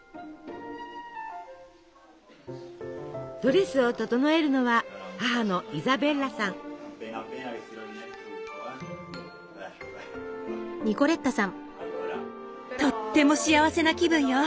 ドレスを整えるのはとっても幸せな気分よ。